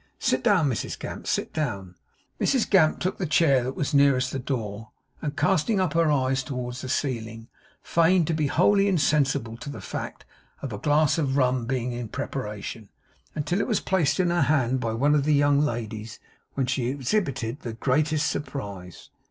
Sit down, Mrs Gamp, sit down.' Mrs Gamp took the chair that was nearest the door, and casting up her eyes towards the ceiling, feigned to be wholly insensible to the fact of a glass of rum being in preparation, until it was placed in her hand by one of the young ladies, when she exhibited the greatest surprise.